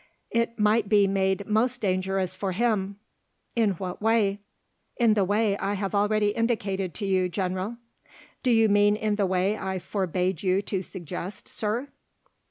"It might be made most dangerous for him." "In what way?" "In the way I have already indicated to you, General." "Do you mean in the way I forbade you to suggest, Sir?"